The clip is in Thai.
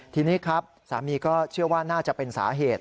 ทีนี้ครับสามีก็เชื่อว่าน่าจะเป็นสาเหตุ